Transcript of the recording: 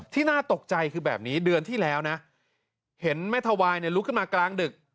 น่าตกใจคือแบบนี้เดือนที่แล้วนะเห็นแม่ทวายลุกขึ้นมากลางดึก